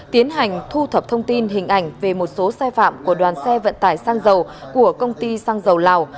tiến hành thu thập thông tin hình ảnh về một số sai phạm của đoàn xe vận tải sang dầu của công ty xăng dầu lào